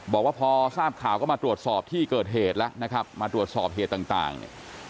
บอกว่าพอทราบข่าวก็มาตรวจสอบที่เกิดเหตุแล้วนะครับมาตรวจสอบเหตุต่างเนี่ย